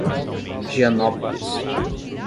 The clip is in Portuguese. Dianópolis